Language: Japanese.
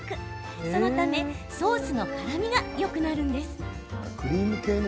そのため、ソースのからみがよくなるんです。